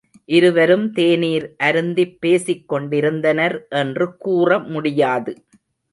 இருவரும் தேநீர் அருந்திப் பேசிக் கொண்டிருந்தனர் என்று கூற முடியாது.